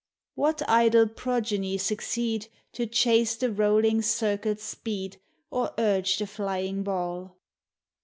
What idle progeny succeed To chase the rolling circle's speed, Or urge the flying ball?